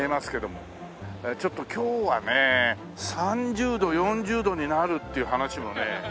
ちょっと今日はね３０度４０度になるっていう話もね。